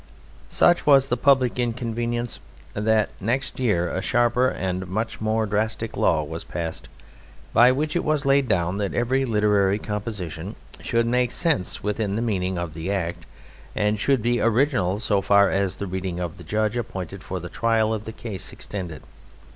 Such was the public inconvenience that next year a sharper and much more drastic law was passed, by which it was laid down that every literary composition should make sense within the meaning of the Act, and should be original so far as the reading of the judge appointed for the trial of the case extended.